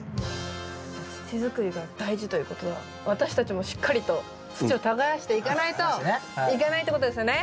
土づくりが大事ということは私たちもしっかりと土を耕していかないといけないってことですよね。